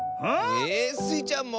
えスイちゃんも？